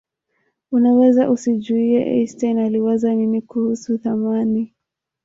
unaweza usijuie einstein aliwaza nini kuhusu thamani